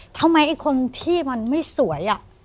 ทำไมคนที่มันไม่สวยอะ